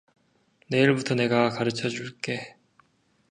내일부터 내가 가르쳐 줄게.